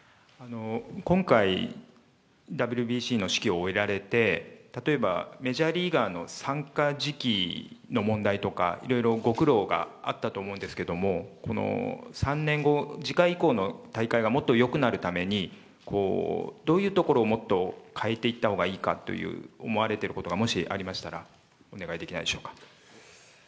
今回、ＷＢＣの指揮を終えられて、例えば、メジャーリーガーの参加時期の問題とか、いろいろご苦労があったと思うんですけども、この３年後、次回以降の大会がもっとよくなるために、どういうところをもっと変えていったほうがいいかという、思われてることがもしありましたら、お願いできないでしょうか。